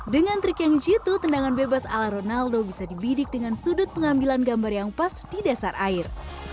dengan trik yang jitu tendangan bebas ala ronaldo bisa dibidik dengan sudut pengambilan gambar yang pas di dasar air